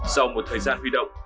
sau một thời gian huy động